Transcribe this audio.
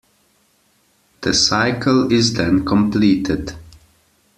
The cycle is then completed.